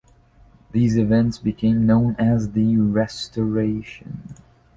These events became known as the "Restoration".